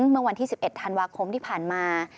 เมื่อวันที่๑๑ธันวาคมที่ผ่านมา